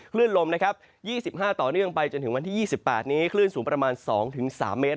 คลื่นลมนะครับ๒๕ต่อเนื่องไปจนถึงวันที่๒๘นี้คลื่นสูงประมาณ๒๓เมตร